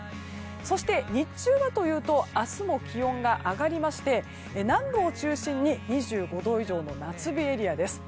そして日中はというと明日も気温が上がりまして南部を中心に、２５度以上の夏日エリアです。